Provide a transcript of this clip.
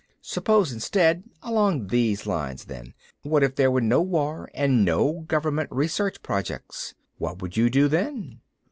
"Suppose instead along these lines, then: What if there were no war and no Government Research Projects? What would you do, then?"